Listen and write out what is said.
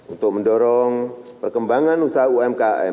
untuk mendorong perkembangan usaha umkm